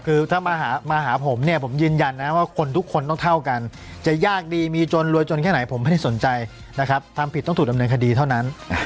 คือถ้ามาหาผมเนี่ยผมยืนยันนะว่าคนทุกคนต้องเท่ากันจะยากดีมีจนรวยจนแค่ไหนผมไม่ได้สนใจนะครับทำผิดต้องถูกดำเนินคดีเท่านั้น